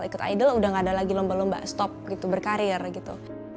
ikut idol udah gak ada lagi lomba lomba stop gitu berkarir gitu